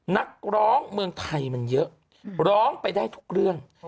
นักร้องเมืองไทยมันเยอะร้องไปได้ทุกเรื่อง